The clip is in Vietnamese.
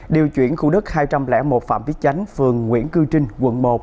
điều chuyển khu đất hai trăm linh một phạm viết chánh phường nguyễn cư trinh quận một